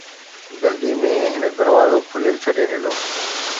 جلدي ۾، هن دروازو کليل ڇڏي ڏنو